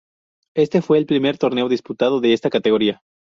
Este fue el primer torneo disputado de esta categoría.